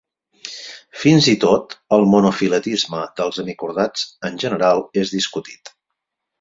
Fins i tot el monofiletisme dels hemicordats en general és discutit.